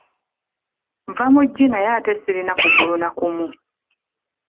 Nva mu ggi naye ate sirina kugulu na kumu.